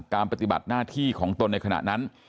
ปฏิบัติหน้าที่ของตนในขณะนั้น